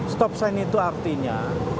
stop sign itu artinya